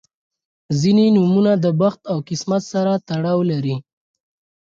• ځینې نومونه د بخت او قسمت سره تړاو لري.